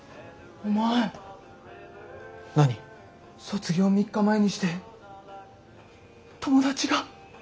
卒業３日前にして友達が。